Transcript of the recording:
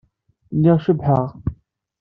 Lliɣ cebḥeɣ.